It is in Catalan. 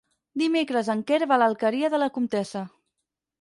Dimecres en Quer va a l'Alqueria de la Comtessa.